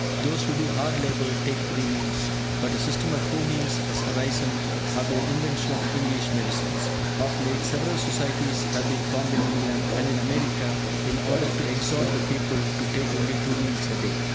Those who do hard labour take three meals, but a system of four meals has arisen after the invention of English medicines! Of late, several societies have been formed in England and in America in order to exhort the people to take only two meals a day.